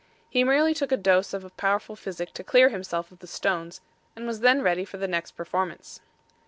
He merely took a dose of powerful physic to clear himself of the stones, and was then ready for the next performance.